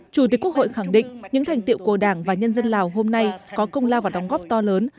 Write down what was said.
chủ tịch quốc hội khẳng định những thành tiệu của đảng và nhân dân lào hôm nay có công lao và đóng góp to lớn